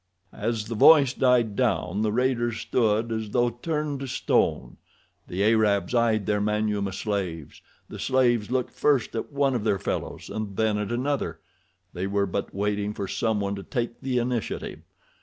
As the voice died down the raiders stood as though turned to stone. The Arabs eyed their Manyuema slaves; the slaves looked first at one of their fellows, and then at another—they were but waiting for some one to take the initiative.